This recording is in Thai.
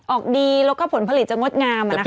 ออกดีแล้วก็ผลผลิตจะงดงาม